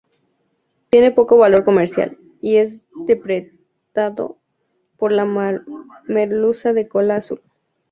Tiene poco valor comercial, y es depredado por la merluza de cola azul.